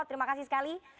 terima kasih sekali